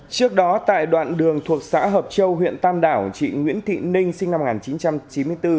trước đó tại đoạn đường thuộc xã hợp châu huyện tam đảo chị nguyễn thị ninh sinh năm một nghìn chín trăm chín mươi bốn